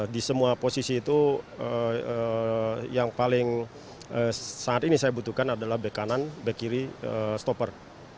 di semua posisi itu yang paling saat ini saya butuhkan adalah back kanan back kiri stopper